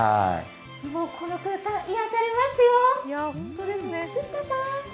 この空間、癒やされますよ